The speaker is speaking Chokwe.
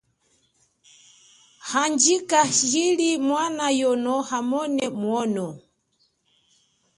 Handjika liji mwana yono amone mwono.